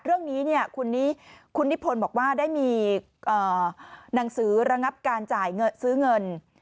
เรื่องนี้คุณนิพนธ์บอกว่าได้มีหนังสือระงับการจ่ายซื้อเงิน